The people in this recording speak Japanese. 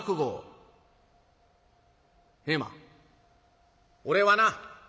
「平馬俺はな